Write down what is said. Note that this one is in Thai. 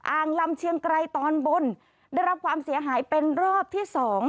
อ่างลำเชียงไกรตอนบนได้รับความเสียหายเป็นรอบที่สอง